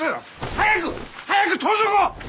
早く早く盗賊を！